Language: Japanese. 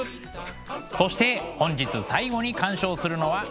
そして本日最後に鑑賞するのはこちらの作品。